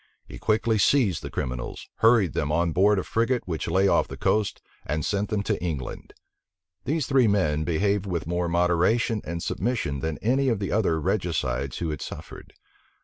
He quickly seized the criminals, hurried them on board a frigate which lay off the coast, and sent them to England. These three men behaved with more moderation and submission than any of the other regicides who had suffered.